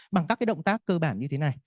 bằng các động tác cơ bản như thế này